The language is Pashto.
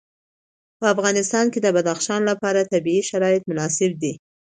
په افغانستان کې د بدخشان لپاره طبیعي شرایط مناسب دي.